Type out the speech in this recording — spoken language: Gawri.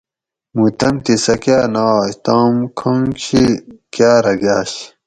مُوں تمتھیں سکاٞ نہ آش توم کوھنگ شی کاٞرہ گاٞش